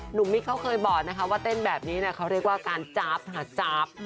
หนุ่มมิกเค้าเคยบอกว่าเต้นแบบนี้เค้าเรียกว่าการจาบหาจาบ